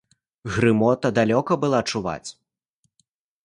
Грымота далёка была чуваць!